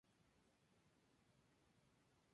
Discurre por los "óblasts" de Samara y de Oremburgo.